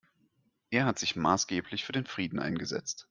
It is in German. Er hat sich maßgeblich für den Frieden eingesetzt.